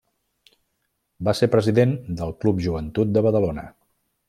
Va ser president del Club Joventut de Badalona.